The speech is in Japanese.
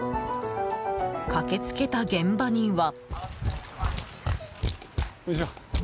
駆け付けた現場には。